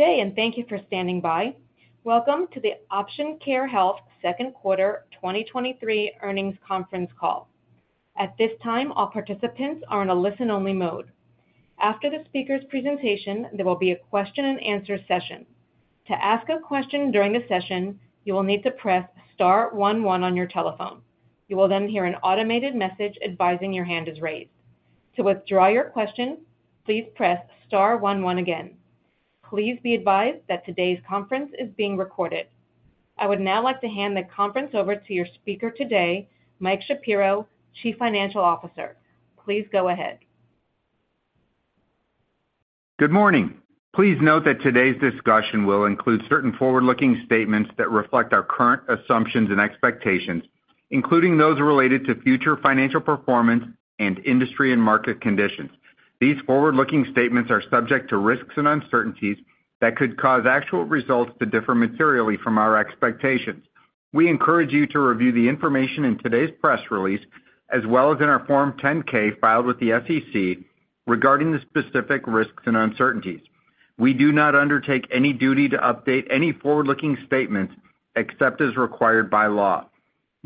Good day, and thank you for standing by. Welcome to the Option Care Health Q2 2023 Earnings Conference Call. At this time, all participants are in a listen-only mode. After the speaker's presentation, there will be a question-and-answer session. To ask a question during the session, you will need to press star one one on your telephone. You will then hear an automated message advising your hand is raised. To withdraw your question, please press star one one again. Please be advised that today's conference is being recorded. I would now like to hand the conference over to your speaker today, Mike Shapiro, Chief Financial Officer. Please go ahead. Good morning. Please note that today's discussion will include certain forward-looking statements that reflect our current assumptions and expectations, including those related to future financial performance and industry and market conditions. These forward-looking statements are subject to risks and uncertainties that could cause actual results to differ materially from our expectations. We encourage you to review the information in today's press release, as well as in our Form 10-K filed with the SEC, regarding the specific risks and uncertainties. We do not undertake any duty to update any forward-looking statements except as required by law.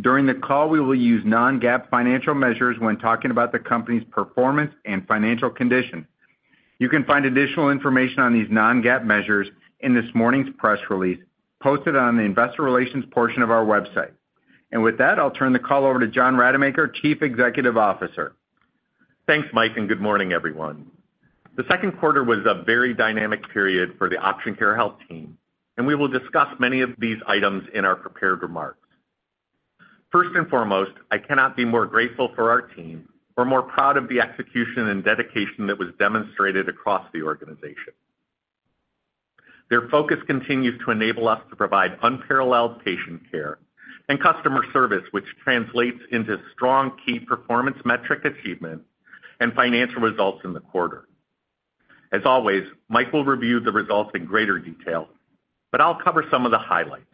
During the call, we will use non-GAAP financial measures when talking about the company's performance and financial condition. You can find additional information on these non-GAAP measures in this morning's press release, posted on the investor relations portion of our website. With that, I'll turn the call over to John Rademacher, Chief Executive Officer. Thanks, Mike. Good morning, everyone. The Q2 was a very dynamic period for the Option Care Health team, and we will discuss many of these items in our prepared remarks. First and foremost, I cannot be more grateful for our team or more proud of the execution and dedication that was demonstrated across the organization. Their focus continues to enable us to provide unparalleled patient care and customer service, which translates into strong key performance metric achievement and financial results in the quarter. As always, Mike will review the results in greater detail, but I'll cover some of the highlights.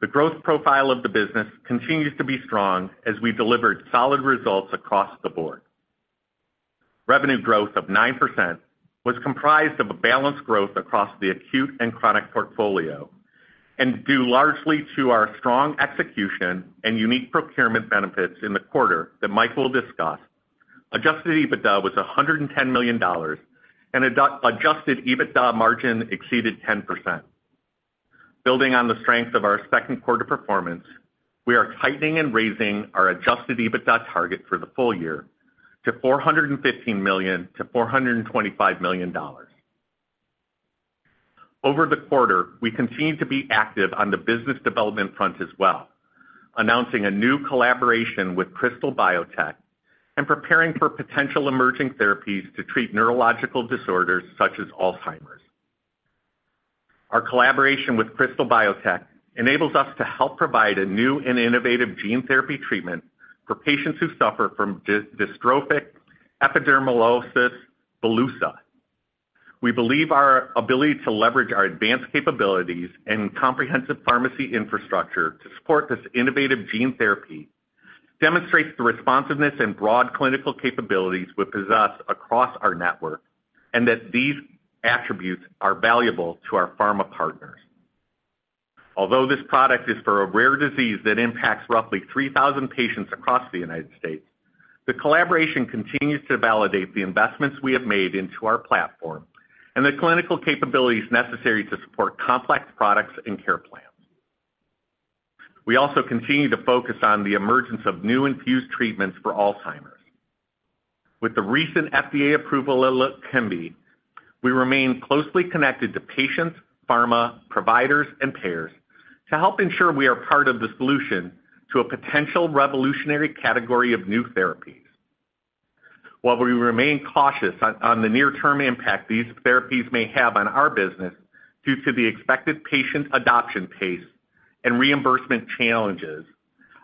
The growth profile of the business continues to be strong as we delivered solid results across the board. Revenue growth of 9% was comprised of a balanced growth across the acute and chronic portfolio and due largely to our strong execution and unique procurement benefits in the quarter that Mike will discuss. Adjusted EBITDA was $110 million, and adjusted EBITDA margin exceeded 10%. Building on the strength of our Q2 performance, we are tightening and raising our adjusted EBITDA target for the full year to $415 million-$425 million. Over the quarter, we continued to be active on the business development front as well, announcing a new collaboration with Krystal Biotech and preparing for potential emerging therapies to treat neurological disorders such as Alzheimer's. Our collaboration with Krystal Biotech enables us to help provide a new and innovative gene therapy treatment for patients who suffer from dystrophic epidermolysis bullosa. We believe our ability to leverage our advanced capabilities and comprehensive pharmacy infrastructure to support this innovative gene therapy demonstrates the responsiveness and broad clinical capabilities we possess across our network and that these attributes are valuable to our pharma partners. Although this product is for a rare disease that impacts roughly 3,000 patients across the United States, the collaboration continues to validate the investments we have made into our platform and the clinical capabilities necessary to support complex products and care plans. We also continue to focus on the emergence of new infused treatments for Alzheimer's. With the recent FDA approval of Leqembi, we remain closely connected to patients, pharma, providers, and payers to help ensure we are part of the solution to a potential revolutionary category of new therapies. While we remain cautious on the near-term impact these therapies may have on our business due to the expected patient adoption pace and reimbursement challenges,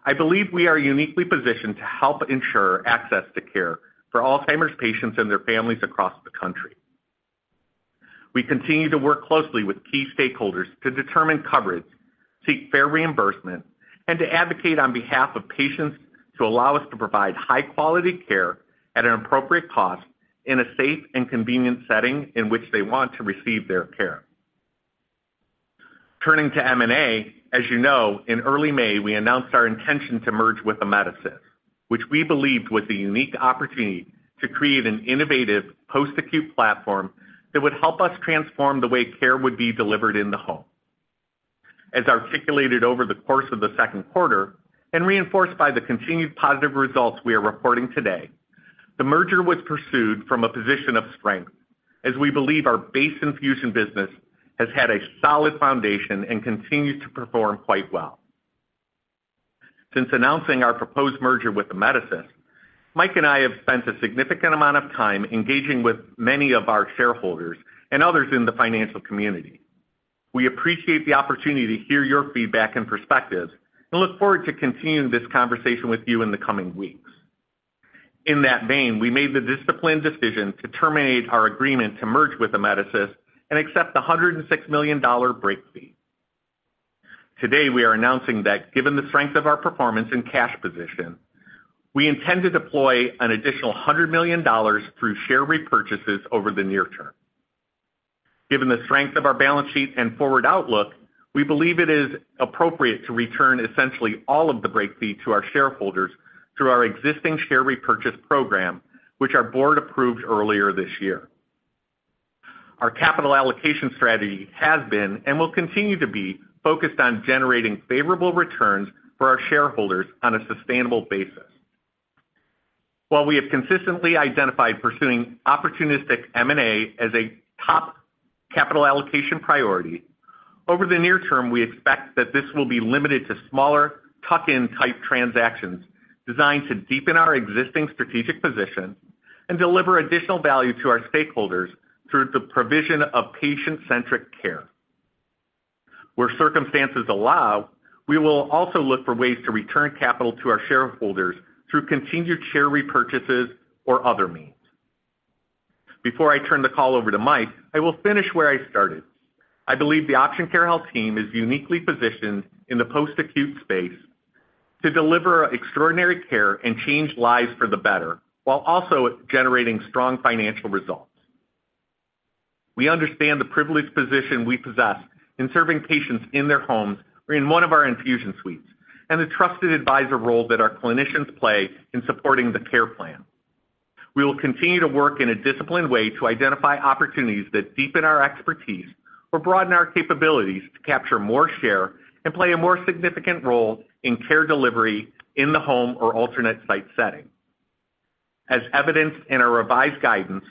I believe we are uniquely positioned to help ensure access to care for Alzheimer's patients and their families across the country. We continue to work closely with key stakeholders to determine coverage, seek fair reimbursement, and to advocate on behalf of patients to allow us to provide high-quality care at an appropriate cost in a safe and convenient setting in which they want to receive their care. Turning to M&A, as you know, in early May, we announced our intention to merge with Amedisys, which we believed was a unique opportunity to create an innovative post-acute platform that would help us transform the way care would be delivered in the home. As articulated over the course of the Q2 and reinforced by the continued positive results we are reporting today, the merger was pursued from a position of strength, as we believe our base infusion business has had a solid foundation and continues to perform quite well. Since announcing our proposed merger with Amedisys, Mike and I have spent a significant amount of time engaging with many of our shareholders and others in the financial community. We appreciate the opportunity to hear your feedback and perspectives and look forward to continuing this conversation with you in the coming weeks. In that vein, we made the disciplined decision to terminate our agreement to merge with Amedisys and accept the $106 million break fee. Today, we are announcing that given the strength of our performance and cash position, we intend to deploy an additional $100 million through share repurchases over the near term. Given the strength of our balance sheet and forward outlook, we believe it is appropriate to return essentially all of the break fee to our shareholders through our existing share repurchase program, which our board approved earlier this year. Our capital allocation strategy has been, and will continue to be, focused on generating favorable returns for our shareholders on a sustainable basis. While we have consistently identified pursuing opportunistic M&A as a top capital allocation priority, over the near term, we expect that this will be limited to smaller, tuck-in type transactions designed to deepen our existing strategic position and deliver additional value to our stakeholders through the provision of patient-centric care. Where circumstances allow, we will also look for ways to return capital to our shareholders through continued share repurchases or other means. Before I turn the call over to Mike, I will finish where I started. I believe the Option Care Health team is uniquely positioned in the post-acute space to deliver extraordinary care and change lives for the better, while also generating strong financial results. We understand the privileged position we possess in serving patients in their homes or in one of our infusion suites, and the trusted advisor role that our clinicians play in supporting the care plan. We will continue to work in a disciplined way to identify opportunities that deepen our expertise or broaden our capabilities to capture more share and play a more significant role in care delivery in the home or alternate site setting. As evidenced in our revised guidance,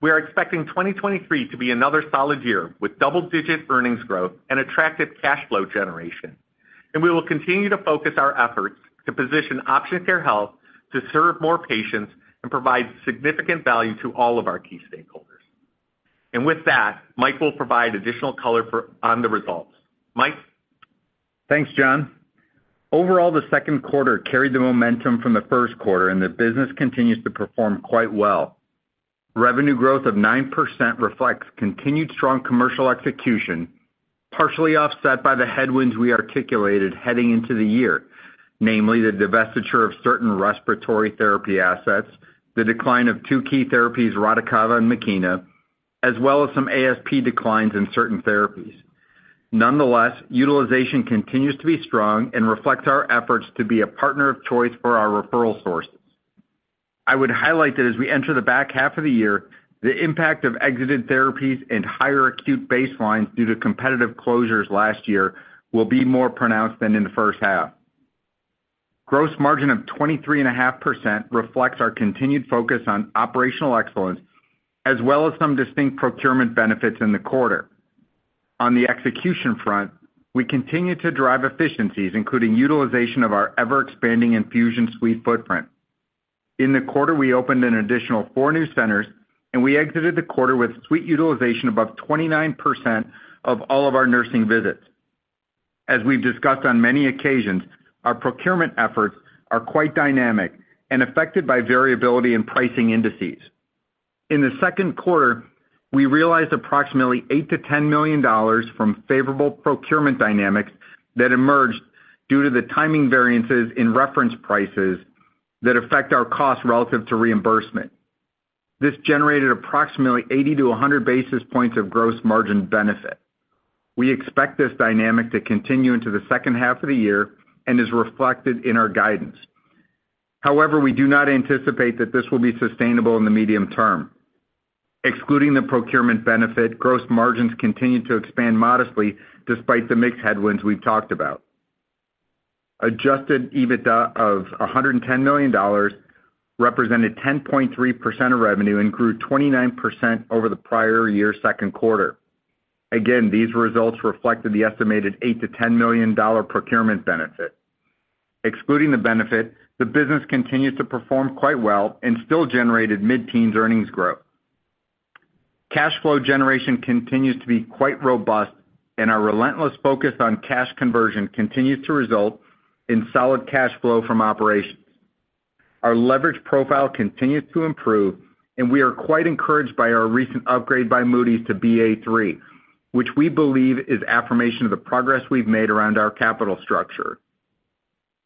we are expecting 2023 to be another solid year, with double-digit earnings growth and attractive cash flow generation. We will continue to focus our efforts to position Option Care Health to serve more patients and provide significant value to all of our key stakeholders. With that, Mike will provide additional color on the results. Mike? Thanks, John. Overall, the Q2 carried the momentum from the Q1. The business continues to perform quite well. Revenue growth of 9% reflects continued strong commercial execution, partially offset by the headwinds we articulated heading into the year, namely the divestiture of certain respiratory therapy assets, the decline of two key therapies, Radicava and Makena, as well as some ASP declines in certain therapies. Utilization continues to be strong and reflects our efforts to be a partner of choice for our referral sources. I would highlight that as we enter the back half of the year, the impact of exited therapies and higher acute baselines due to competitive closures last year will be more pronounced than in the H1. Gross margin of 23.5% reflects our continued focus on operational excellence, as well as some distinct procurement benefits in the quarter. On the execution front, we continue to drive efficiencies, including utilization of our ever-expanding infusion suite footprint. In the quarter, we opened an additional four new centers, we exited the quarter with suite utilization above 29% of all of our nursing visits. As we've discussed on many occasions, our procurement efforts are quite dynamic and affected by variability in pricing indices. In the Q1, we realized approximately $8 million-$10 million from favorable procurement dynamics that emerged due to the timing variances in reference prices that affect our costs relative to reimbursement. This generated approximately 80-100 basis points of gross margin benefit. We expect this dynamic to continue into the second half of the year and is reflected in our guidance. However, we do not anticipate that this will be sustainable in the medium term. Excluding the procurement benefit, gross margins continued to expand modestly despite the mixed headwinds we've talked about. Adjusted EBITDA of $110 million represented 10.3% of revenue and grew 29% over the prior year's Q2. Again, these results reflected the estimated $8 million-$10 million procurement benefit. Excluding the benefit, the business continued to perform quite well and still generated mid-teens earnings growth. Cash flow generation continues to be quite robust, and our relentless focus on cash conversion continues to result in solid cash flow from operations. Our leverage profile continues to improve, and we are quite encouraged by our recent upgrade by Moody's to Ba3, which we believe is affirmation of the progress we've made around our capital structure.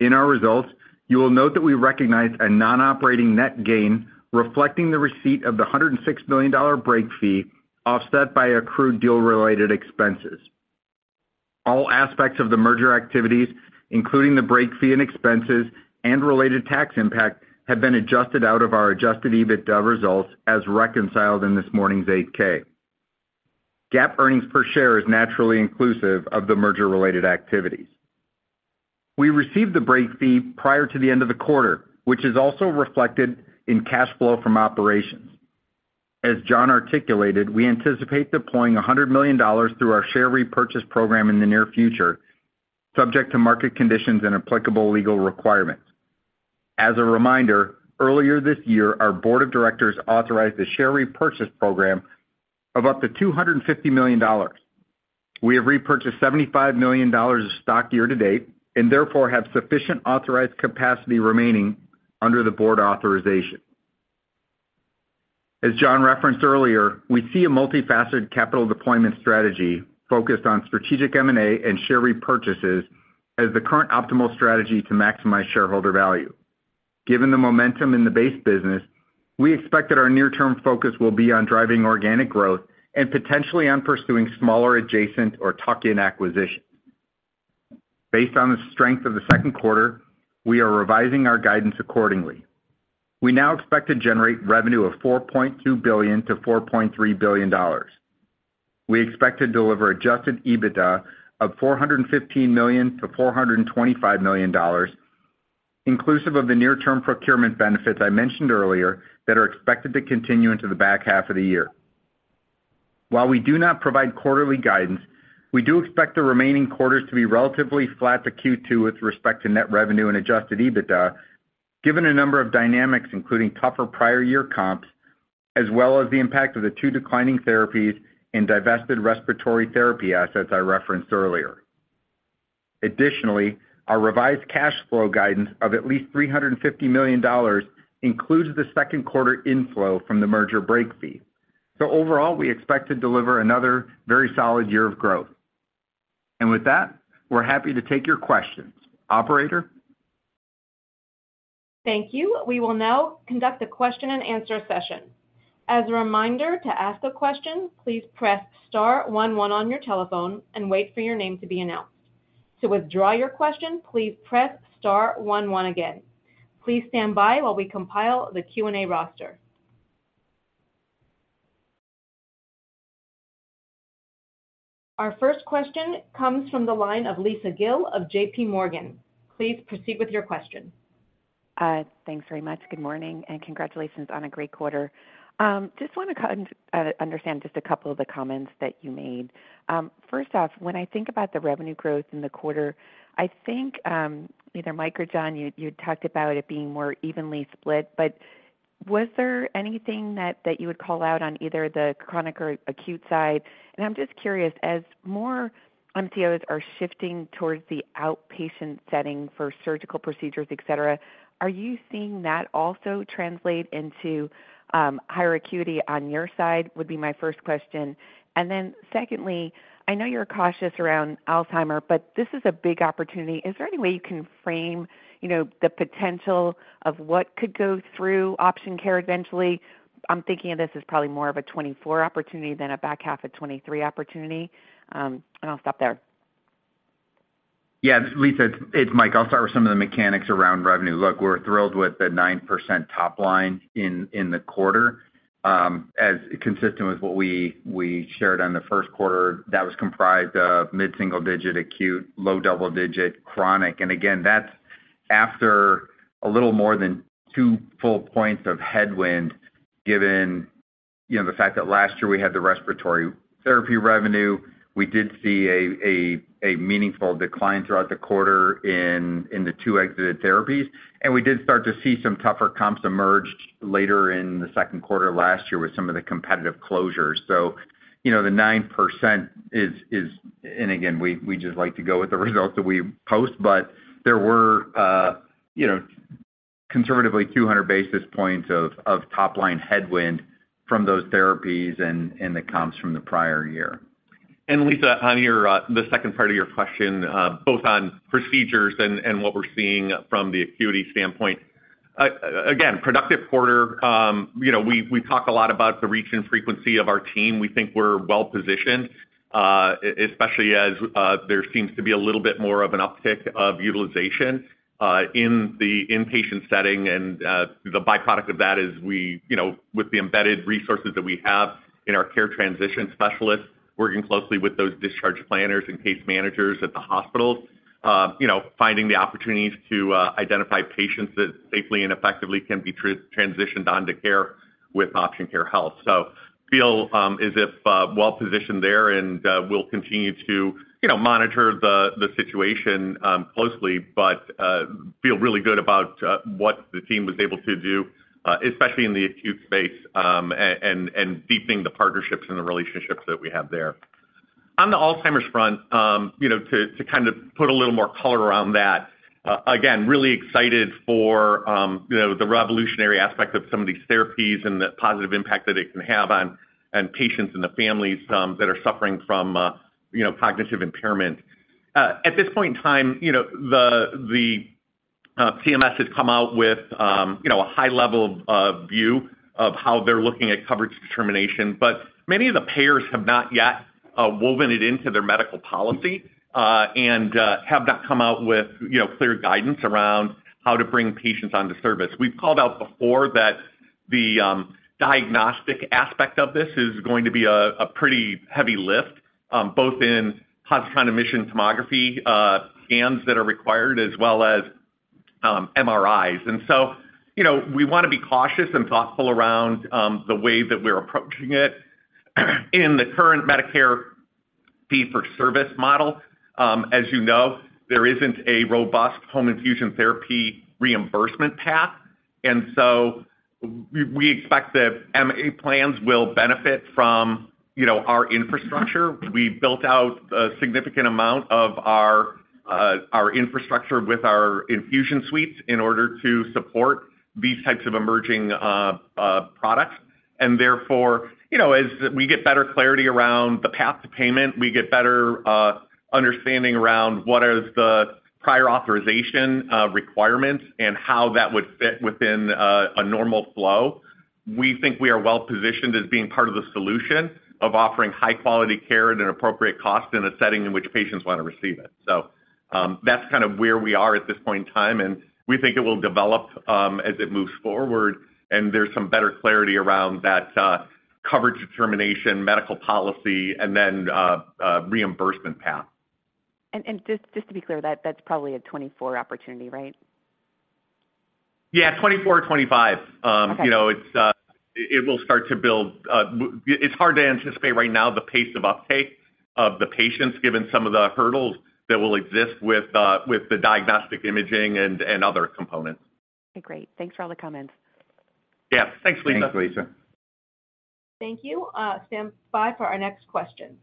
In our results, you will note that we recognized a non-operating net gain, reflecting the receipt of the $106 million break fee, offset by accrued deal-related expenses. All aspects of the merger activities, including the break fee and expenses and related tax impact, have been adjusted out of our adjusted EBITDA results, as reconciled in this morning's Form 8-K. GAAP earnings per share is naturally inclusive of the merger-related activities. We received the break fee prior to the end of the quarter, which is also reflected in cash flow from operations. As John articulated, we anticipate deploying $100 million through our share repurchase program in the near future, subject to market conditions and applicable legal requirements. As a reminder, earlier this year, our board of directors authorized a share repurchase program of up to $250 million. We have repurchased $75 million of stock year-to-date, and therefore, have sufficient authorized capacity remaining under the board authorization. As John referenced earlier, we see a multifaceted capital deployment strategy focused on strategic M&A and share repurchases as the current optimal strategy to maximize shareholder value. Given the momentum in the base business, we expect that our near-term focus will be on driving organic growth and potentially on pursuing smaller adjacent or tuck-in acquisitions. Based on the strength of the second quarter, we are revising our guidance accordingly. We now expect to generate revenue of $4.2 billion-$4.3 billion. We expect to deliver adjusted EBITDA of $415 million-$425 million, inclusive of the near-term procurement benefits I mentioned earlier that are expected to continue into the back half of the year. While we do not provide quarterly guidance, we do expect the remaining quarters to be relatively flat to Q2 with respect to net revenue and adjusted EBITDA, given a number of dynamics, including tougher prior year comps, as well as the impact of the two declining therapies and divested respiratory therapy assets I referenced earlier. Additionally, our revised cash flow guidance of at least $350 million includes the second quarter inflow from the merger break fee. Overall, we expect to deliver another very solid year of growth. With that, we're happy to take your questions. Operator? Thank you. We will now conduct a question-and-answer session. As a reminder, to ask a question, please press star one one on your telephone and wait for your name to be announced. To withdraw your question, please press star one one again. Please stand by while we compile the Q&A roster. Our first question comes from the line of Lisa Gill of JPMorgan. Please proceed with your question. Thanks very much. Good morning, and congratulations on a great quarter. Just want to understand just a couple of the comments that you made. First off, when I think about the revenue growth in the quarter, I think, either Mike or John, you talked about it being more evenly split, but was there anything that you would call out on either the chronic or acute side? I'm just curious, as more MCOs are shifting towards the outpatient setting for surgical procedures, et cetera, are you seeing that also translate into higher acuity on your side? Would be my first question. Secondly, I know you're cautious around Alzheimer's, but this is a big opportunity. Is there any way you can frame, you know, the potential of what could go through Option Care eventually? I'm thinking of this as probably more of a 2024 opportunity than a back half of 2023 opportunity. I'll stop there. Yeah, Lisa, it's Mike. I'll start with some of the mechanics around revenue. Look, we're thrilled with the 9% top line in the quarter. As consistent with what we shared on the first quarter, that was comprised of mid single-digit acute, low double-digit, chronic. Again, that's after a little more than two full points of headwind, given, you know, the fact that last year we had the respiratory therapy revenue, we did see a meaningful decline throughout the quarter in the two exited therapies. We did start to see some tougher comps emerge later in the Q2 last year with some of the competitive closures. You know, the 9% is. Again, we just like to go with the results that we post. There were, you know, conservatively 200 basis points of top line headwind from those therapies and the comps from the prior year. Lisa, on your, the second part of your question, both on procedures and, and what we're seeing from the acuity standpoint. Again, productive quarter. You know, we talk a lot about the reach and frequency of our team. We think we're well-positioned, especially as there seems to be a little bit more of an uptick of utilization, in the inpatient setting. The byproduct of that is we, you know, with the embedded resources that we have in our care transition specialists, working closely with those discharge planners and case managers at the hospitals, you know, finding the opportunities to identify patients that safely and effectively can be transitioned onto care with Option Care Health. Feel as if well-positioned there. We'll continue to, you know, monitor the situation closely. Feel really good about what the team was able to do, especially in the acute space, and deepening the partnerships and the relationships that we have there. On the Alzheimer's front, you know, to kind of put a little more color around that, again, really excited for, you know, the revolutionary aspect of some of these therapies and the positive impact that it can have on, on patients and the families, that are suffering from, you know, cognitive impairment. At this point in time, you know, the CMS has come out with, you know, a high level of view of how they're looking at coverage determination, but many of the payers have not yet woven it into their medical policy, and have not come out with, you know, clear guidance around how to bring patients onto service. We've called out before that the diagnostic aspect of this is going to be a pretty heavy lift, both in positron emission tomography scans that are required, as well as MRIs. You know, we wanna be cautious and thoughtful around the way that we're approaching it. In the current Medicare fee-for-service model, as you know, there isn't a robust home infusion therapy reimbursement path. We expect that MA plans will benefit from, you know, our infrastructure. We built out a significant amount of our infrastructure with our infusion suites in order to support these types of emerging products. Therefore, you know, as we get better clarity around the path to payment, we get better understanding around what is the prior authorization requirements and how that would fit within a normal flow. We think we are well-positioned as being part of the solution of offering high-quality care at an appropriate cost in a setting in which patients want to receive it. That's kind of where we are at this point in time, and we think it will develop, as it moves forward, and there's some better clarity around that, coverage determination, medical policy, and then, reimbursement path. Just to be clear, that's probably a 2024 opportunity, right? Yeah, 24 or 25. Okay. You know, it's, it will start to build. It's hard to anticipate right now the pace of uptake of the patients, given some of the hurdles that will exist with the diagnostic imaging and other components. Okay, great. Thanks for all the comments. Yeah. Thanks, Lisa. Thanks, Lisa. Thank you. Stand by for our next question.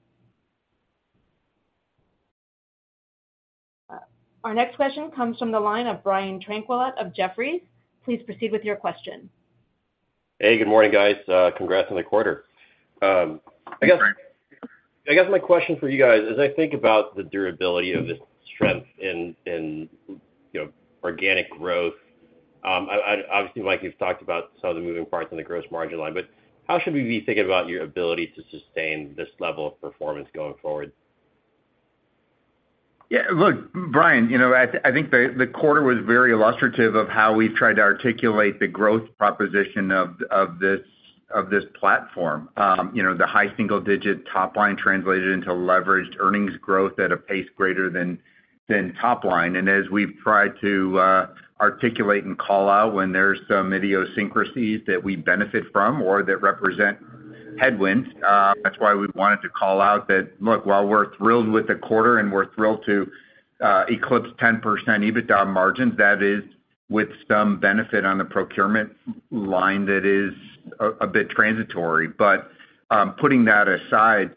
Our next question comes from the line of Brian Tanquilut of Jefferies. Please proceed with your question. Hey, good morning, guys. Congrats on the quarter. Thanks, Brian. I guess my question for you guys, as I think about the durability of this strength in, you know, organic growth, obviously, Mike, you've talked about some of the moving parts in the gross margin line, but how should we be thinking about your ability to sustain this level of performance going forward? Yeah, look, Brian, you know, I think the quarter was very illustrative of how we've tried to articulate the growth proposition of this platform. You know, the high single-digit top line translated into leveraged earnings growth at a pace greater than top line. As we've tried to articulate and call out when there's some idiosyncrasies that we benefit from or that represent headwinds, that's why we wanted to call out that, look, while we're thrilled with the quarter and we're thrilled to eclipse 10% EBITDA margins, that is with some benefit on the procurement line that is a bit transitory. Putting that aside,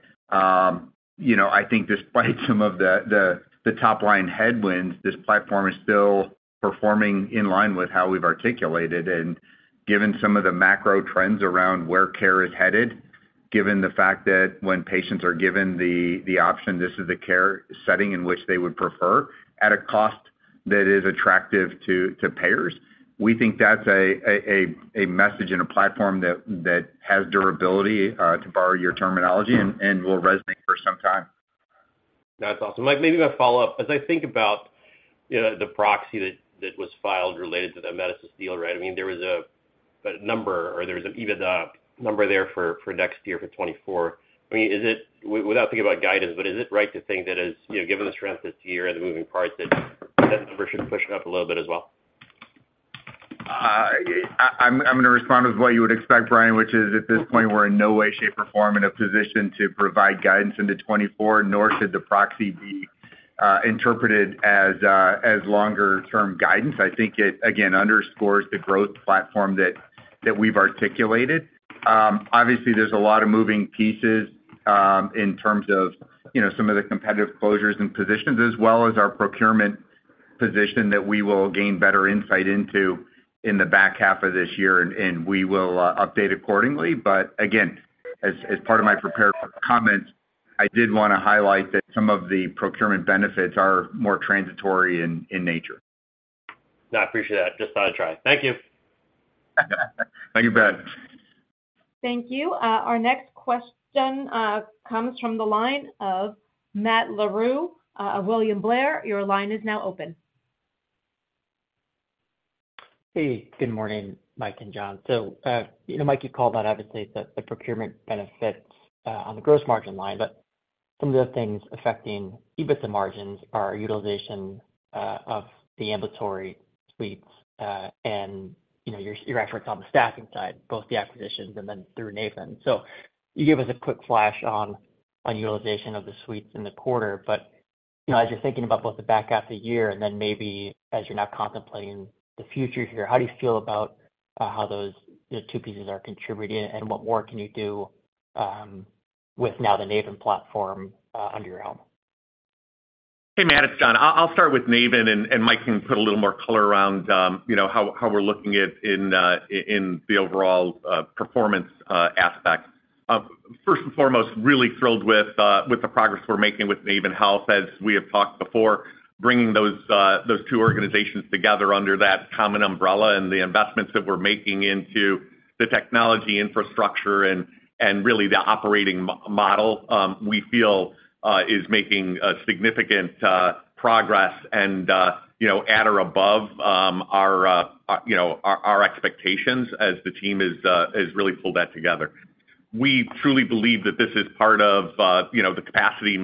you know, I think despite some of the top-line headwinds, this platform is still performing in line with how we've articulated. Given some of the macro trends around where care is headed, given the fact that when patients are given the option, this is the care setting in which they would prefer at a cost that is attractive to payers, we think that's a message and platform that has durability, to borrow your terminology, and will resonate for some time. That's awesome. Mike, maybe I'll follow up. As I think about, you know, the proxy that was filed related to the Amedisys deal, right? I mean, there was a number or there was an EBITDA number there for next year, for 2024. I mean, is it without thinking about guidance, but is it right to think that as, you know, given the strength this year and the moving parts, that number should push it up a little bit as well? I'm gonna respond with what you would expect, Brian, which is, at this point, we're in no way, shape, or form, in a position to provide guidance into 2024, nor should the proxy be interpreted as longer-term guidance. I think it, again, underscores the growth platform that we've articulated. Obviously, there's a lot of moving pieces, in terms of, you know, some of the competitive closures and positions, as well as our procurement position that we will gain better insight into in the back half of this year, and we will update accordingly. Again, as part of my prepared comments, I did wanna highlight that some of the procurement benefits are more transitory in nature. No, I appreciate that. Just thought I'd try. Thank you. Thank you, Brian. Thank you. Our next question comes from the line of Matt Larew of William Blair. Your line is now open. Hey, good morning, Mike and John. you know, Mike, you called out obviously the, the procurement benefits on the gross margin line, but some of the things affecting EBITDA margins are utilization of the ambulatory suites and, you know, your efforts on the staffing side, both the acquisitions and then through Novant. You gave us a quick flash on, on utilization of the suites in the quarter. you know, as you're thinking about both the back half of the year and then maybe as you're now contemplating the future here, how do you feel about how those, the two pieces are contributing, and what more can you do with now the Novant platform under your helm? Hey, Matt, it's John. I'll start with Novant, and Mike can put a little more color around, you know, how we're looking at the overall performance aspect. First and foremost, really thrilled with the progress we're making with Novant Health. As we have talked before, bringing those two organizations together under that common umbrella and the investments that we're making into the technology infrastructure and really the operating model, we feel is making significant progress and, you know, at or above our, you know, our expectations as the team has really pulled that together. We truly believe that this is part of, you know, the capacity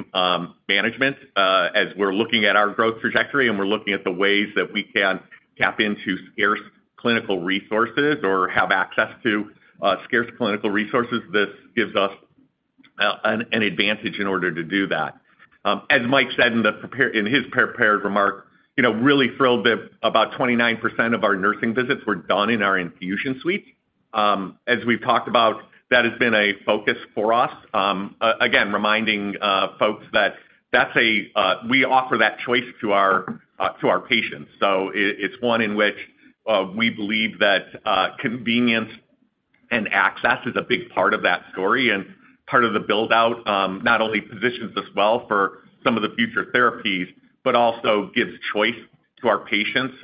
management, as we're looking at our growth trajectory, and we're looking at the ways that we can tap into scarce clinical resources or have access to scarce clinical resources. This gives us an advantage in order to do that. As Mike said in his prepared remarks, you know, really thrilled that about 29% of our nursing visits were done in our infusion suites. As we've talked about, that has been a focus for us. Again, reminding folks that we offer that choice to our to our patients. It's one in which we believe that convenience and access is a big part of that story and part of the build-out, not only positions us well for some of the future therapies, but also gives choice to our patients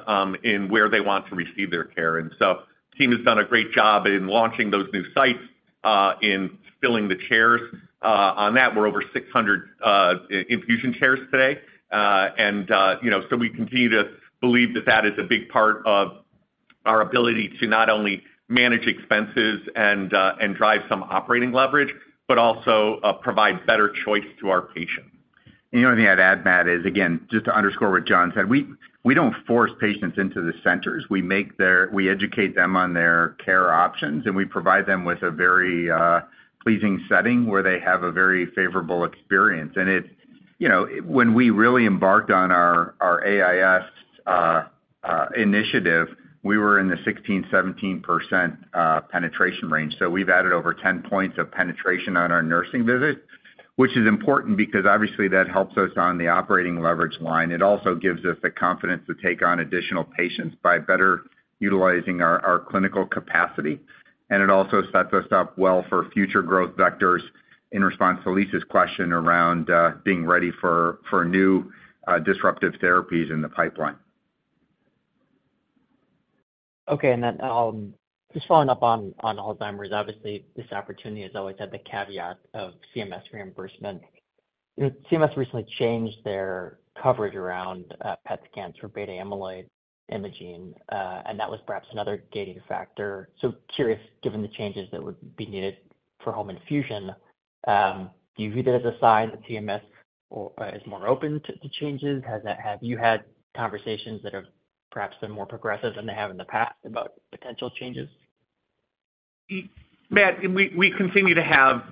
in where they want to receive their care. The team has done a great job in launching those new sites in filling the chairs. On that, we're over 600 infusion chairs today. You know, we continue to believe that is a big part of our ability to not only manage expenses and drive some operating leverage, but also provide better choice to our patients. The only thing I'd add, Matt, is, again, just to underscore what John said, we don't force patients into the centers. We educate them on their care options, and we provide them with a very pleasing setting where they have a very favorable experience. It, you know, when we really embarked on our AIS initiative, we were in the 16%-17% penetration range. We've added over 10 points of penetration on our nursing visits, which is important because, obviously, that helps us on the operating leverage line. It also gives us the confidence to take on additional patients by better utilizing our clinical capacity. It also sets us up well for future growth vectors in response to Lisa's question around being ready for new disruptive therapies in the pipeline. Okay. Just following up on Alzheimer's, obviously, this opportunity has always had the caveat of CMS reimbursement. You know, CMS recently changed their coverage around PET scans for beta-amyloid imaging, and that was perhaps another gating factor. Curious, given the changes that would be needed for home infusion, do you view that as a sign that CMS or is more open to changes? Have you had conversations that have perhaps been more progressive than they have in the past about potential changes? Matt, we continue to have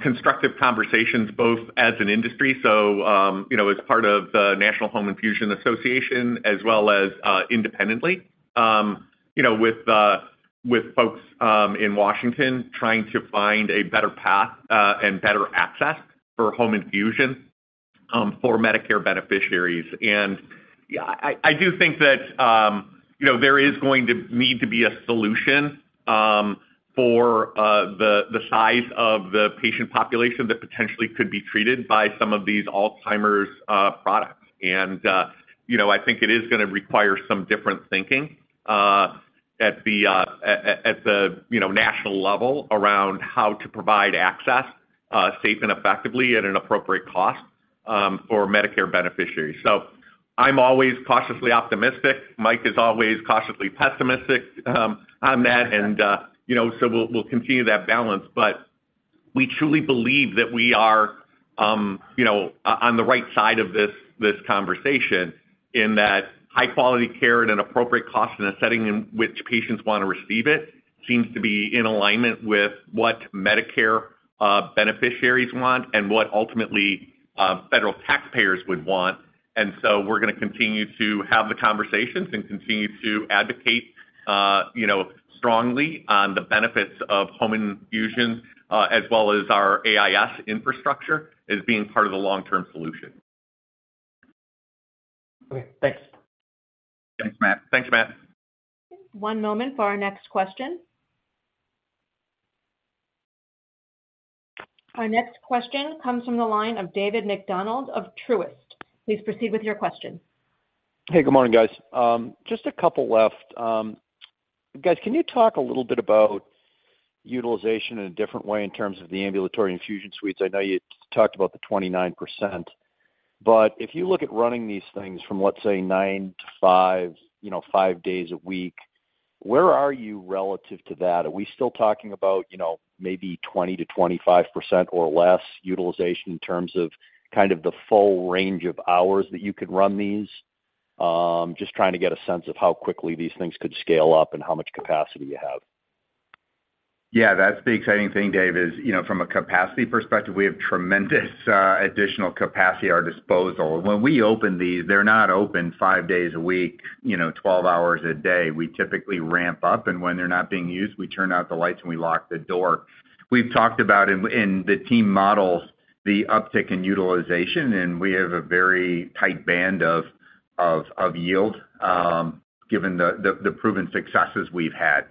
constructive conversations, both as an industry, so, you know, as part of the National Home Infusion Association, as well as independently, you know, with folks in Washington, trying to find a better path and better access for home infusion for Medicare beneficiaries. Yeah, I do think that, you know, there is going to need to be a solution for the size of the patient population that potentially could be treated by some of these Alzheimer's products. You know, I think it is gonna require some different thinking at the national level around how to provide access safe and effectively at an appropriate cost for Medicare beneficiaries. I'm always cautiously optimistic. Mike is always cautiously pessimistic on that. You know, so we'll continue that balance. We truly believe that we are, you know, on the right side of this conversation, in that high-quality care at an appropriate cost in a setting in which patients want to receive it, seems to be in alignment with what Medicare beneficiaries want and what ultimately federal taxpayers would want. So we're gonna continue to have the conversations and continue to advocate, you know, strongly on the benefits of home infusions, as well as our AIS infrastructure as being part of the long-term solution. Okay, thanks. Thanks, Matt. One moment for our next question. Our next question comes from the line of David MacDonald of Truist. Please proceed with your question. Hey, good morning, guys. Just a couple left. Guys, can you talk a little bit about utilization in a different way in terms of the ambulatory infusion suites? I know you talked about the 29%, but if you look at running these things from, let's say, nine to five, you know, five days a week, where are you relative to that? Are we still talking about, you know, maybe 20%-25% or less utilization in terms of kind of the full range of hours that you could run these? Just trying to get a sense of how quickly these things could scale up and how much capacity you have. Yeah, that's the exciting thing, Dave, is, you know, from a capacity perspective, we have tremendous additional capacity at our disposal. When we open these, they're not open five days a week, you know, 12 hours a day. We typically ramp up, and when they're not being used, we turn out the lights, and we lock the door. We've talked about in the team models, the uptick in utilization, and we have a very tight band of yield, given the proven successes we've had.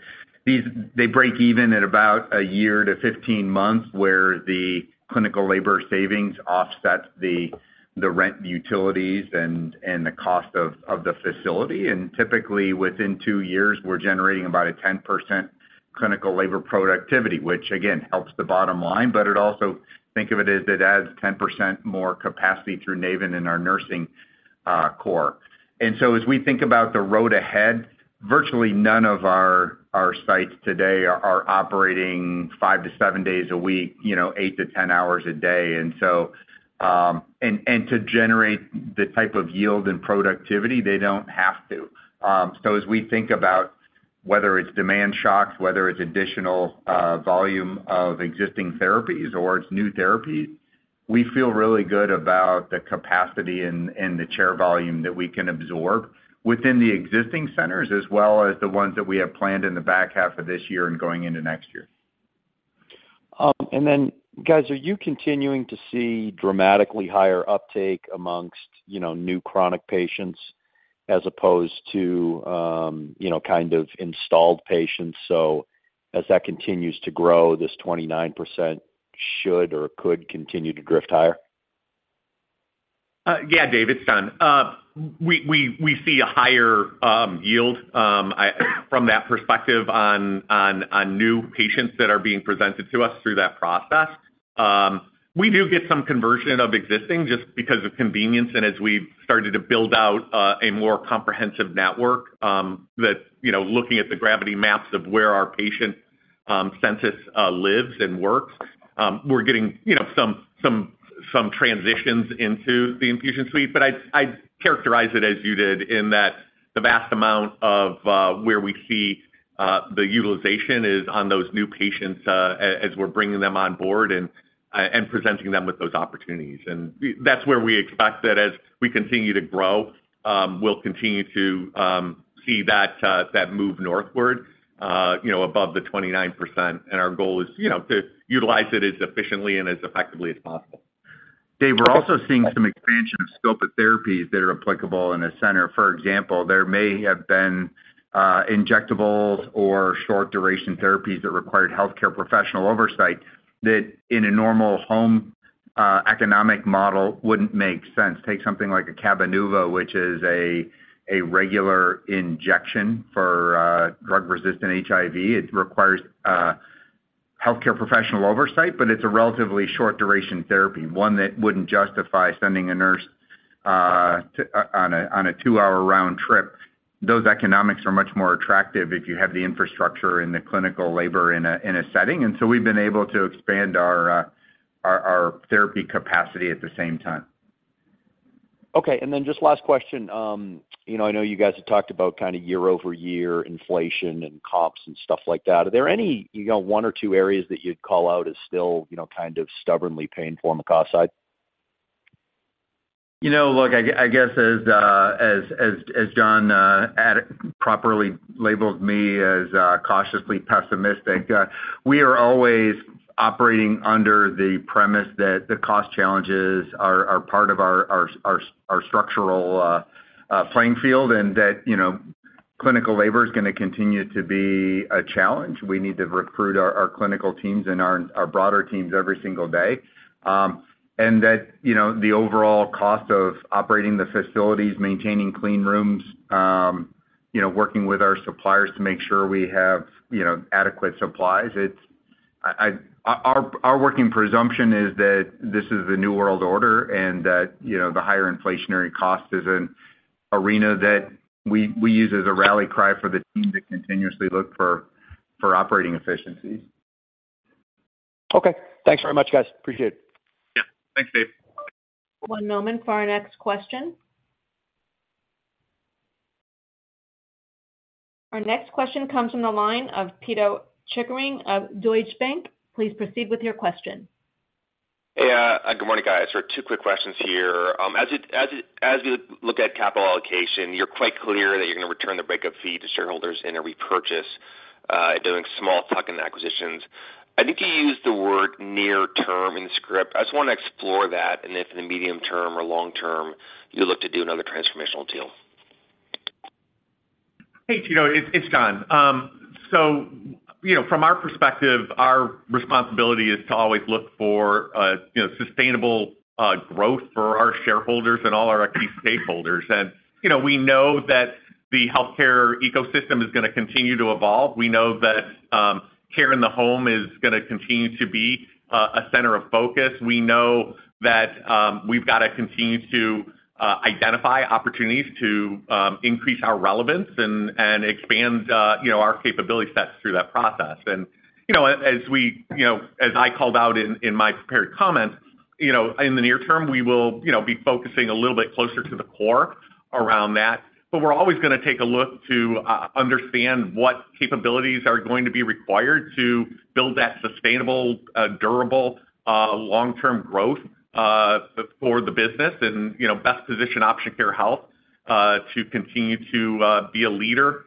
They break even at about one year to 15 months, where the clinical labor savings offset the rent, the utilities, and the cost of the facility. Typically, within two years, we're generating about a 10% clinical labor productivity, which again, helps the bottom line, but it also think of it as it adds 10% more capacity through Novant Health and our nursing core. As we think about the road ahead, virtually none of our sites today are operating five-seven days a week, you know, 8-10 hours a day. To generate the type of yield and productivity, they don't have to. As we think about whether it's demand shocks, whether it's additional volume of existing therapies or it's new therapies. We feel really good about the capacity and the chair volume that we can absorb within the existing centers, as well as the ones that we have planned in the back half of this year and going into next year. Guys, are you continuing to see dramatically higher uptake amongst, you know, new chronic patients as opposed to, you know, kind of installed patients? So as that continues to grow, this 29% should or could continue to drift higher? Yeah, Dave, it's John. We see a higher yield from that perspective on new patients that are being presented to us through that process. We do get some conversion of existing just because of convenience. As we've started to build out a more comprehensive network, that, you know, looking at the gravity maps of where our patient census lives and works, we're getting, you know, some transitions into the infusion suite. I'd characterize it as you did, in that the vast amount of where we see the utilization is on those new patients as we're bringing them on board and presenting them with those opportunities. That's where we expect that as we continue to grow, we'll continue to see that move northward, you know, above the 29%. Our goal is, you know, to utilize it as efficiently and as effectively as possible. Dave, we're also seeing some expansion of scope of therapies that are applicable in a center. For example, there may have been injectables or short-duration therapies that required healthcare professional oversight, that in a normal home, economic model, wouldn't make sense. Take something like a Cabenuva, which is a regular injection for drug-resistant HIV. It requires healthcare professional oversight, but it's a relatively short-duration therapy, one that wouldn't justify sending a nurse to, on a two-hour round trip. Those economics are much more attractive if you have the infrastructure and the clinical labor in a setting. We've been able to expand our therapy capacity at the same time. Okay. Just last question. You know, I know you guys have talked about kind of year-over-year inflation and comps and stuff like that. Are there any, you know, one or two areas that you'd call out as still, you know, kind of stubbornly painful on the cost side? You know, look, I guess as John properly labeled me as cautiously pessimistic, we are always operating under the premise that the cost challenges are part of our structural playing field, and that, you know, clinical labor is going to continue to be a challenge. We need to recruit our clinical teams and our broader teams every single day. That, you know, the overall cost of operating the facilities, maintaining clean rooms, you know, working with our suppliers to make sure we have, you know, adequate supplies. It's our working presumption is that this is the new world order and that, you know, the higher inflationary cost is an arena that we use as a rally cry for the team to continuously look for operating efficiencies. Okay. Thanks very much, guys. Appreciate it. Yeah. Thanks, Dave. One moment for our next question. Our next question comes from the line of Pito Chickering of Deutsche Bank. Please proceed with your question. Hey, good morning, guys. Two quick questions here. As you look at capital allocation, you're quite clear that you're going to return the break fee to shareholders in a repurchase, doing small plug-in acquisitions. I think you used the word near term in the script. I just want to explore that, and if in the medium term or long term, you look to do another transformational deal. Hey, Pito, it's John. So, you know, from our perspective, our responsibility is to always look for, you know, sustainable growth for our shareholders and all our key stakeholders. You know, we know that the healthcare ecosystem is going to continue to evolve. We know that care in the home is going to continue to be a center of focus. We know that we've got to continue to identify opportunities to increase our relevance and expand, you know, our capability sets through that process. You know, as I called out in my prepared comments, you know, in the near term, we will, you know, be focusing a little bit closer to the core around that. We're always going to take a look to understand what capabilities are going to be required to build that sustainable, durable, long-term growth for the business and, you know, best position Option Care Health to continue to be a leader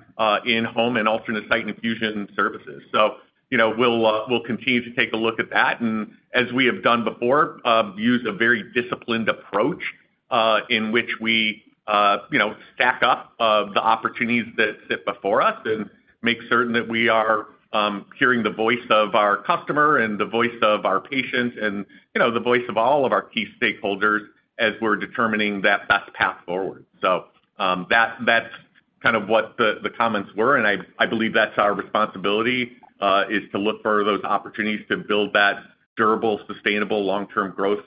in home and alternate site infusion services. You know, we'll continue to take a look at that, and as we have done before, use a very disciplined approach in which we, you know, stack up the opportunities that sit before us and make certain that we are hearing the voice of our customer and the voice of our patients, and, you know, the voice of all of our key stakeholders as we're determining that best path forward. That's kind of what the comments were, and I believe that's our responsibility, is to look for those opportunities to build that durable, sustainable, long-term growth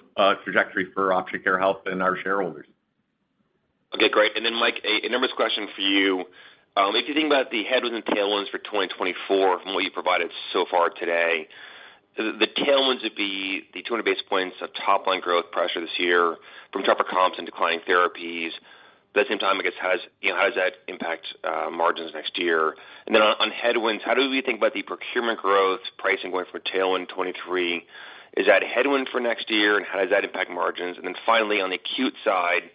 trajectory for Option Care Health and our shareholders. Okay, great. Mike, a numerous question for you. If you think about the headwinds and tailwinds for 2024 from what you've provided so far today, the tailwinds would be the 200 basis points of top-line growth pressure this year from tougher comps and declining therapies. At the same time, I guess, how does, you know, how does that impact margins next year? Then on headwinds, how do we think about the procurement growth pricing going for tailwind 2023? Is that a headwind for next year, and how does that impact margins? Then finally, on the acute side,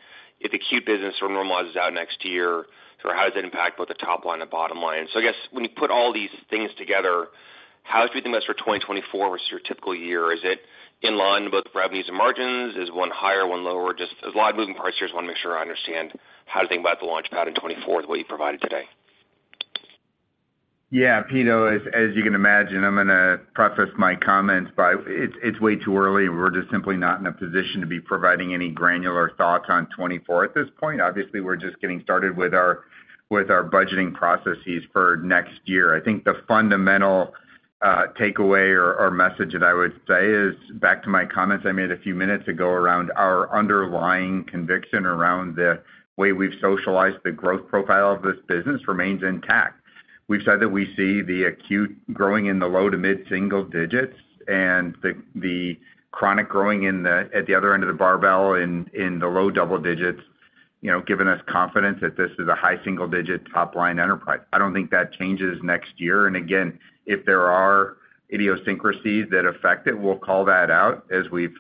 if the acute business normalizes out next year, so how does that impact both the top line and bottom line? I guess when you put all these things together, how do you think that's for 2024 versus your typical year? Is it in line, both revenues and margins? Is one higher, one lower? Just there's a lot of moving parts here, just wanna make sure I understand how to think about the launch pad in 2024, the way you provided today. Yeah, Peter, as, as you can imagine, I'm gonna preface my comments by it's, it's way too early, and we're just simply not in a position to be providing any granular thoughts on 2024 at this point. Obviously, we're just getting started with our, with our budgeting processes for next year. I think the fundamental takeaway or, or message that I would say is, back to my comments I made a few minutes ago around our underlying conviction around the way we've socialized the growth profile of this business remains intact. We've said that we see the acute growing in the low to mid single-digit, and the, the chronic growing in the, at the other end of the barbell in, in the low double- digit, you know, giving us confidence that this is a high single-digit top line enterprise. I don't think that changes next year. Again, if there are idiosyncrasies that affect it, we'll call that out as we've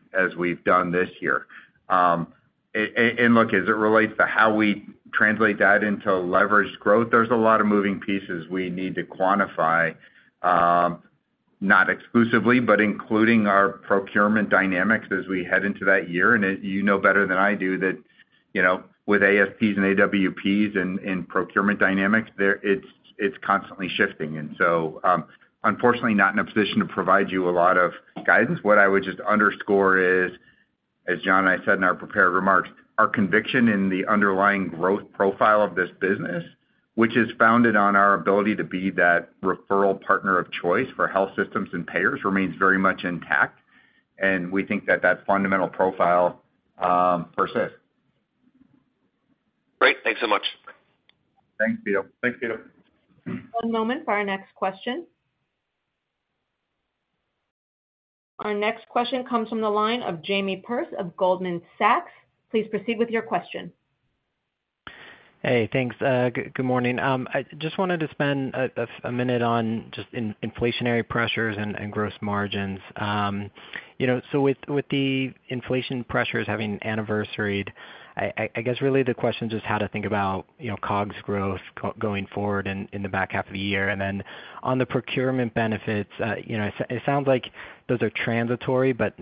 done this year. Look, as it relates to how we translate that into leveraged growth, there's a lot of moving pieces we need to quantify, not exclusively, but including our procurement dynamics as we head into that year. You know better than I do that, you know, with ASPs and AWPs and procurement dynamics, there it's constantly shifting. Unfortunately, not in a position to provide you a lot of guidance. What I would just underscore is, as John and I said in our prepared remarks, our conviction in the underlying growth profile of this business, which is founded on our ability to be that referral partner of choice for health systems and payers, remains very much intact, and we think that fundamental profile, persists. Great. Thanks so much. Thanks, Peter. Thanks, Peter. One moment for our next question. Our next question comes from the line of Jamie Perse of Goldman Sachs. Please proceed with your question. Hey, thanks. good morning. I just wanted to spend a minute on just inflationary pressures and gross margins. you know, so with the inflation pressures having anniversaried, I guess really the question is just how to think about, you know, COGS growth going forward in the back half of the year. On the procurement benefits, you know, it sounds like those are transitory but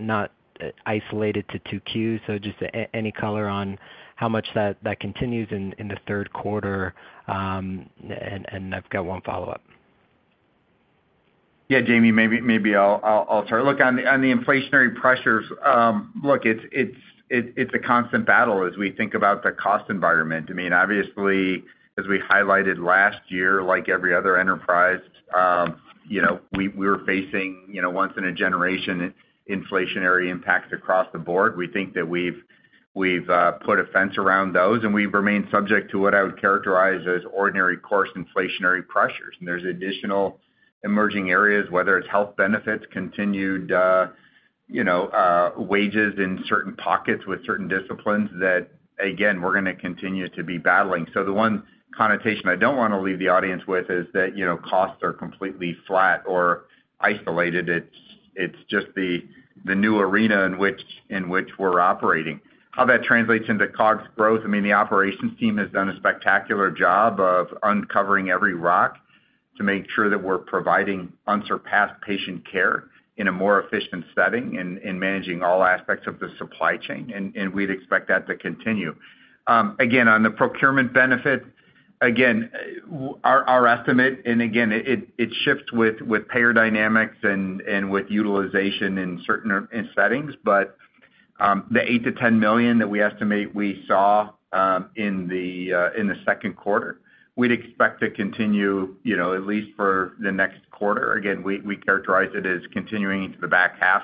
not isolated to two Qs. Just any color on how much that continues in the Q3? I've got one follow-up. Yeah, Jamie, maybe I'll start. Look, on the inflationary pressures, look, it's a constant battle as we think about the cost environment. I mean, obviously, as we highlighted last year, like every other enterprise, you know, we were facing, you know, once in a generation inflationary impacts across the board. We think that we've put a fence around those, and we've remained subject to what I would characterize as ordinary course inflationary pressures. There's additional emerging areas, whether it's health benefits, continued, you know, wages in certain pockets with certain disciplines, that again, we're gonna continue to be battling. The one connotation I don't wanna leave the audience with is that, you know, costs are completely flat or isolated. It's just the new arena in which we're operating. How that translates into COGS growth, I mean, the operations team has done a spectacular job of uncovering every rock to make sure that we're providing unsurpassed patient care in a more efficient setting and managing all aspects of the supply chain, and we'd expect that to continue. Again, on the procurement benefit, again, our estimate, and again, it shifts with payer dynamics and with utilization in certain settings, but the $8 million-$10 million that we estimate we saw in the Q2, we'd expect to continue, you know, at least for the next quarter. Again, we characterize it as continuing into the back half.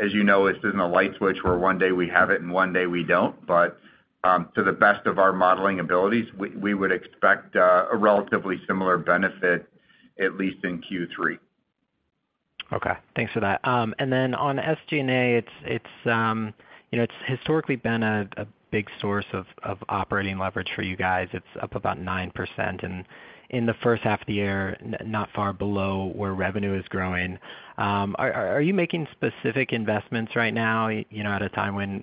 As you know, this isn't a light switch where one day we have it and one day we don't. To the best of our modeling abilities, we would expect a relatively similar benefit, at least in Q3. Okay, thanks for that. Then on SG&A, it's, you know, it's historically been a big source of operating leverage for you guys. It's up about 9%, and in the H1 of the year, not far below where revenue is growing. Are you making specific investments right now, you know, at a time when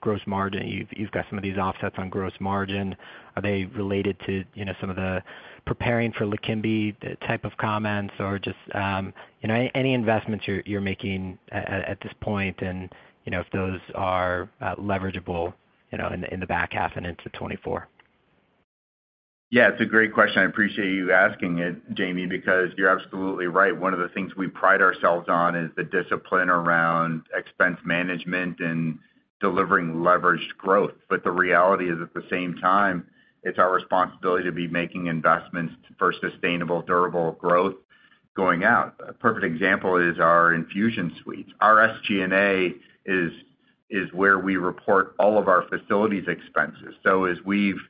gross margin. You've got some of these offsets on gross margin, are they related to, you know, some of the preparing for Leqembi type of comments? Or just, you know, any investments you're making at this point, and, you know, if those are leverageable, you know, in the, in the back half and into 2024. It's a great question. I appreciate you asking it, Jamie, because you're absolutely right. One of the things we pride ourselves on is the discipline around expense management and delivering leveraged growth. The reality is, at the same time, it's our responsibility to be making investments for sustainable, durable growth going out. A perfect example is our infusion suites. Our SG&A is where we report all of our facilities expenses. As we've,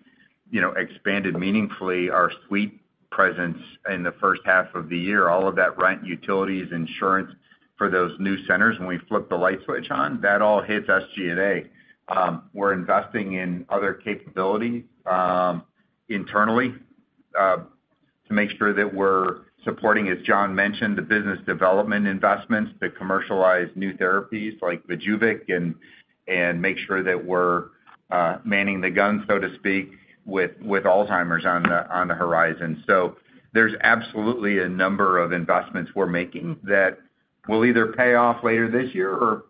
you know, expanded meaningfully our suite presence in the H1 of the year, all of that rent, utilities, insurance for those new centers, when we flip the light switch on, that all hits SG&A. We're investing in other capabilities, internally, to make sure that we're supporting, as John mentioned, the business development investments to commercialize new therapies like Vyjuvek and make sure that we're manning the guns, so to speak, with Alzheimer's on the horizon. There's absolutely a number of investments we're making that will either pay off later this year or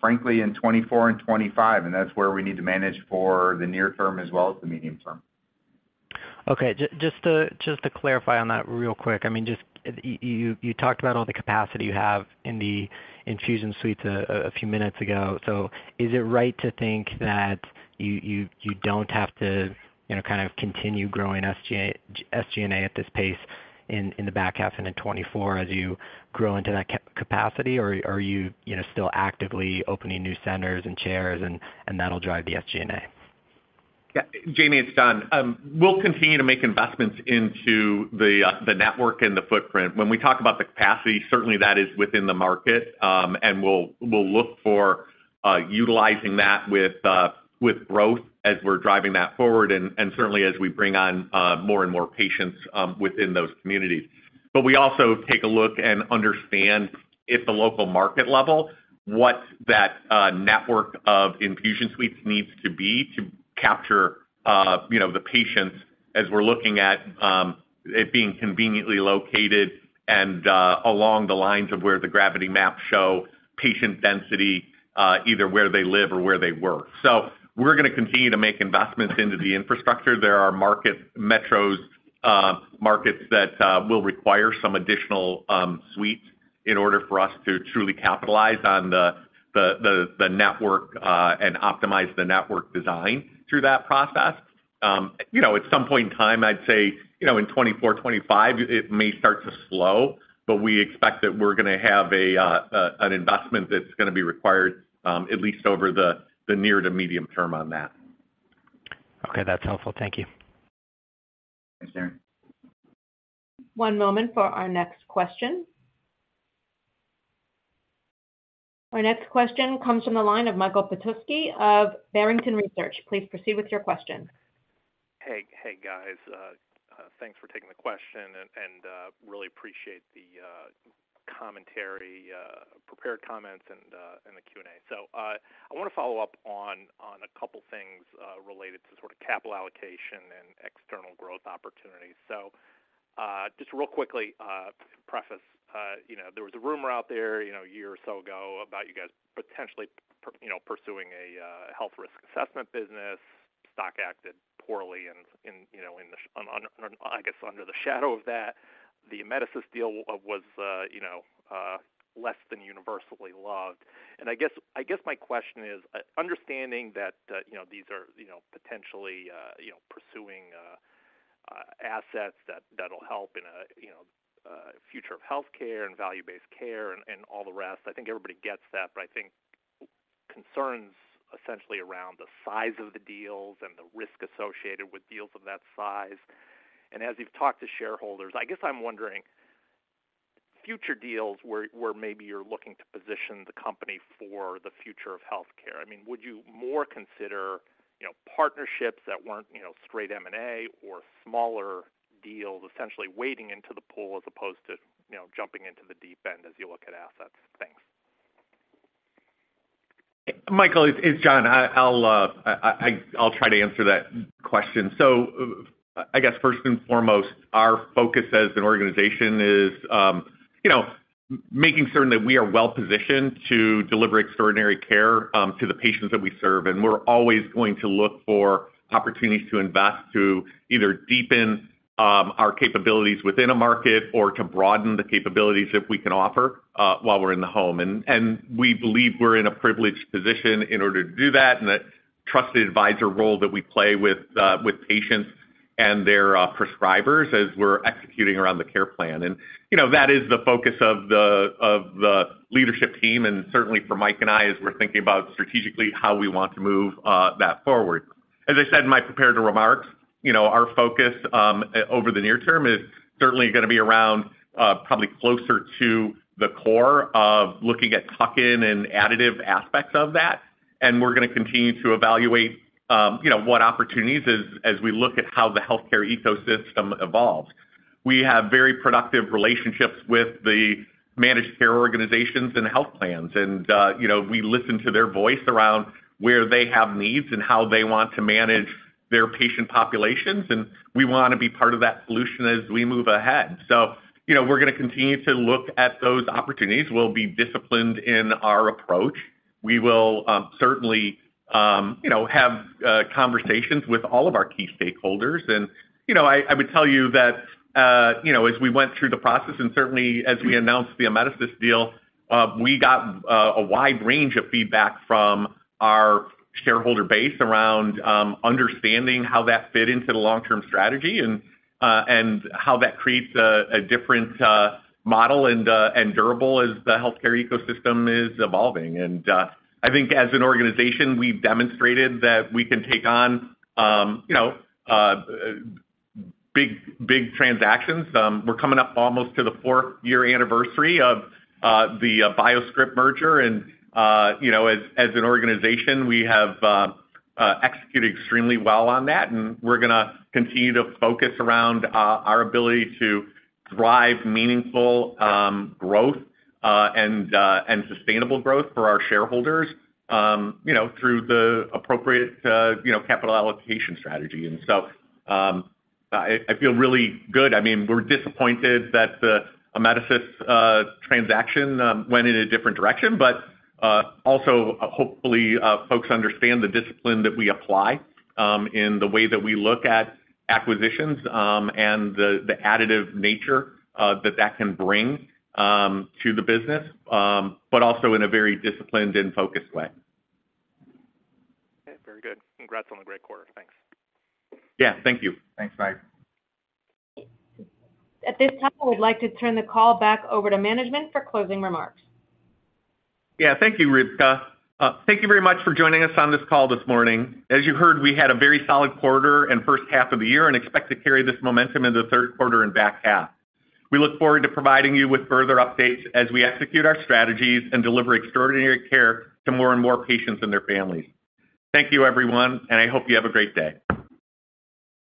frankly, in 2024 and 2025, and that's where we need to manage for the near term as well as the medium term. Okay. Just to clarify on that real quick, I mean, just you talked about all the capacity you have in the infusion suites a few minutes ago. Is it right to think that you don't have to, you know, kind of continue growing SG&A at this pace in the back half and in 2024 as you grow into that capacity? Are you, you know, still actively opening new centers and chairs and that'll drive the SG&A? Yeah, Jamie, it's John. We'll continue to make investments into the network and the footprint. When we talk about the capacity, certainly that is within the market, and we'll look for utilizing that with growth as we're driving that forward, and certainly as we bring on more and more patients within those communities. We also take a look and understand at the local market level, what that network of infusion suites needs to be to capture, you know, the patients as we're looking at it being conveniently located and along the lines of where the gravity maps show patient density either where they live or where they work. We're gonna continue to make investments into the infrastructure. There are metros, markets that will require some additional suites in order for us to truly capitalize on the network and optimize the network design through that process. You know, at some point in time, I'd say, you know, in 2024, 2025, it may start to slow, but we expect that we're gonna have an investment that's gonna be required at least over the near to medium term on that. Okay, that's helpful. Thank you. Thanks, Aaron. One moment for our next question. Our next question comes from the line of Michael Petusky of Barrington Research. Please proceed with your question. Hey, guys, thanks for taking the question and really appreciate the commentary, prepared comments and, and the Q&A. I wanna follow up on a couple of things, related to sort of capital allocation and external growth opportunities. Just real quickly, preface, you know, there was a rumor out there, you know, a year or so ago about you guys potentially pursuing a health risk assessment business. Stock acted poorly and, you know, in the under, I guess, under the shadow of that, the Amedisys deal was, you know, less than universally loved. I guess my question is, understanding that, you know, these are, you know, potentially, pursuing assets that'll help in a, you know, future of healthcare and value-based care and all the rest. I think everybody gets that, but I think concerns essentially around the size of the deals and the risk associated with deals of that size. As you've talked to shareholders, I guess I'm wondering, future deals where maybe you're looking to position the company for the future of healthcare. I mean, would you more consider, you know, partnerships that weren't, you know, straight M&A or smaller deals, essentially wading into the pool as opposed to, you know, jumping into the deep end as you look at assets? Thanks. Michael, it's John. I'll try to answer that question. I guess first and foremost, our focus as an organization is, you know, making certain that we are well-positioned to deliver extraordinary care to the patients that we serve. We're always going to look for opportunities to invest, to either deepen our capabilities within a market or to broaden the capabilities that we can offer while we're in the home. We believe we're in a privileged position in order to do that, and that trusted advisor role that we play with patients and their prescribers as we're executing around the care plan. You know, that is the focus of the leadership team, and certainly for Mike and I, as we're thinking about strategically how we want to move that forward. As I said in my prepared remarks, you know, our focus over the near term is certainly gonna be around probably closer to the core of looking at tuck-in and additive aspects of that. We're gonna continue to evaluate, you know, what opportunities as, as we look at how the healthcare ecosystem evolves. We have very productive relationships with the Managed Care Organizations and health plans, and, you know, we listen to their voice around where they have needs and how they want to manage their patient populations, and we wanna be part of that solution as we move ahead. You know, we're gonna continue to look at those opportunities. We'll be disciplined in our approach. We will certainly, you know, have conversations with all of our key stakeholders. You know, I would tell you that, you know, as we went through the process, and certainly as we announced the Amedisys deal, we got a wide range of feedback from our shareholder base around understanding how that fit into the long-term strategy, and how that creates a different model and durable as the healthcare ecosystem is evolving. I think as an organization, we've demonstrated that we can take on, you know, big transactions. We're coming up almost to the fourth-year anniversary of the BioScrip merger, and, you know, as an organization, we have executed extremely well on that, and we're gonna continue to focus around our ability to drive meaningful growth and sustainable growth for our shareholders, you know, through the appropriate, you know, capital allocation strategy. I feel really good. I mean, we're disappointed that the Amedisys transaction went in a different direction, but also, hopefully, folks understand the discipline that we apply in the way that we look at acquisitions, and the additive nature that can bring to the business, but also in a very disciplined and focused way. Okay, very good. Congrats on the great quarter. Thanks. Yeah, thank you. Thanks, Mike. At this time, we'd like to turn the call back over to management for closing remarks. Yeah. Thank you, Ruthka. Thank you very much for joining us on this call this morning. As you heard, we had a very solid quarter and first half of the year, and expect to carry this momentum into the Q3 and back half. We look forward to providing you with further updates as we execute our strategies and deliver extraordinary care to more and more patients and their families. Thank you, everyone, and I hope you have a great day.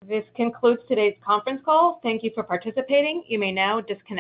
This concludes today's conference call. Thank you for participating. You may now disconnect.